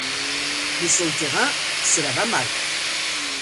Mais sur le terrain, cela va mal.